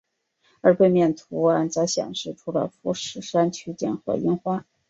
而背面图案则显示了富士山取景和樱花。